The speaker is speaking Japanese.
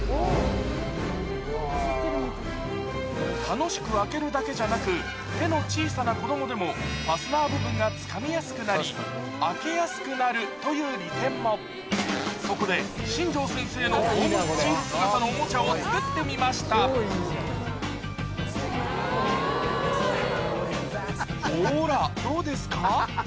楽しく開けるだけじゃなく手の小さな子供でもファスナー部分がつかみやすくなり開けやすくなるという利点もそこで新庄先生のホームスチール姿のおもちゃを作ってみましたほらどうですか？